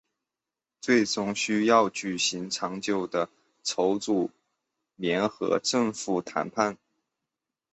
最终需要举行长久的筹组联合政府谈判。